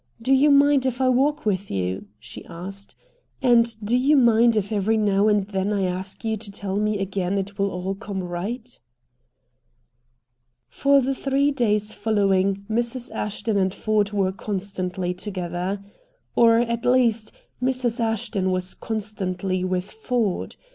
Do you mind if I walk with you?" she asked. "And do you mind if every now and then I ask you to tell me again it will all come right?" For the three days following Mrs. Ashton and Ford were constantly together. Or, at least, Mrs. Ashton was constantly with Ford.